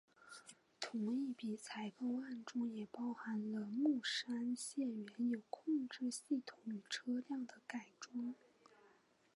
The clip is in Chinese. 同一笔采购案中也包含了木栅线原有控制系统与车辆的改装。